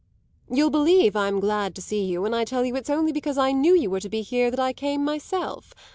"You'll believe I'm glad to see you when I tell you it's only because I knew you were to be here that I came myself.